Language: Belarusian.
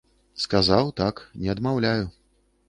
Сказаў, так, не адмаўляю.